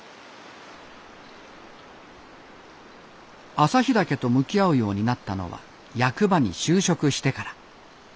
朝日岳と向き合うようになったのは役場に就職してから。